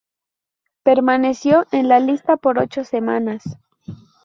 Permaneció en la lista por ocho semanas.